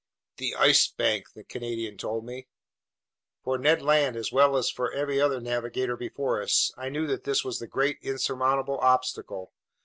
"The Ice Bank!" the Canadian told me. For Ned Land, as well as for every navigator before us, I knew that this was the great insurmountable obstacle.